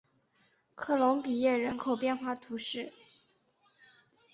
科隆比耶人口变化图示